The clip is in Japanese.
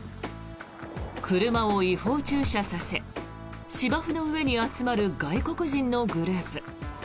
車を違法駐車させ芝生の上に集まる外国人のグループ。